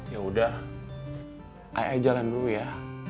yaudah ai ai jalan dulu ya